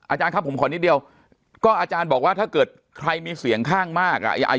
อาจารย์ครับผมขอนิดเดียวก็อาจารย์บอกว่าถ้าเกิดใครมีเสียงข้างมากอ่ะ